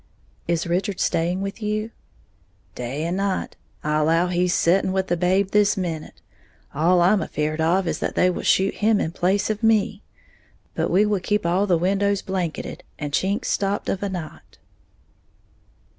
"Is Richard staying with you?" "Day and night. I allow he's setting with the babe this minute. All I'm afeared of is that they will shoot him in place of me. But we keep all the windows blanketed and chinks stopped of a night."